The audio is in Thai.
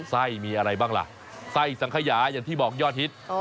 ไส้มีอะไรบ้างล่ะไส้สังขยาอย่างที่บอกยอดฮิต